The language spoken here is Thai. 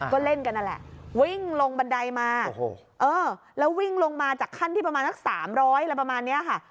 ก็เล่นกันนั่นแหละวิ่งลงบันไดมาแล้ววิ่งลงมาจากขั้นที่ประมาณสัก๓๐๐อะไรประมาณนี้ค่ะ